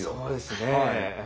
そうですね。